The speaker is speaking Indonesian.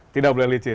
tidak boleh licin